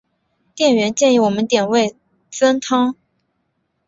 店员建议我们点味噌汤